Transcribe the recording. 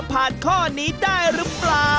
ห้ารอบ